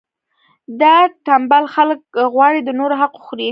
دا ټنبل خلک غواړي د نورو حق وخوري.